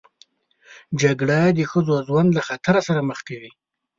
جګړه د ښځو ژوند له خطر سره مخ کوي